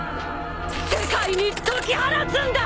世界に解き放つんだ！